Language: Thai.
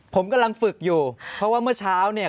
ผมกำลังฝึกอยู่เพราะว่าเมื่อเช้าเนี่ย